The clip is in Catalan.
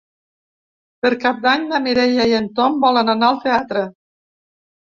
Per Cap d'Any na Mireia i en Tom volen anar al teatre.